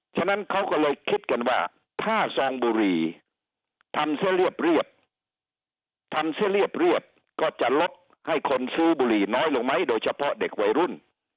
ฉะนั้นเขาก็เลยคิดกันว่าถ้าซองบุหรี่ทำซะเรียบทำซะเรียบก็จะลดให้คนซื้อบุหรี่น้อยลงไหมโดยเฉพาะเด็กวัยรุ่น